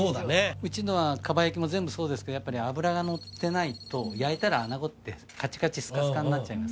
うちのは蒲焼きも全部そうですけどやっぱり脂がのってないと焼いたらあなごってカチカチスカスカになっちゃいます